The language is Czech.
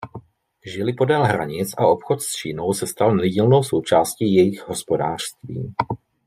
Žili podél hranic a obchod s Čínou se stal nedílnou součástí jejich hospodářství.